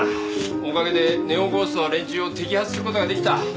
おかげでネオゴーストの連中を摘発する事ができた。